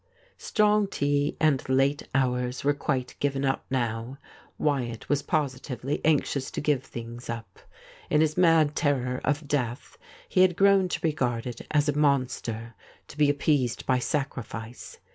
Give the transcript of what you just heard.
Strong tea and late hours were quite given up now. Wyatt was positively anxious to give things up ; in his mad terror of death he had grown to regai'd it as a monster to be appeased by sacrifice.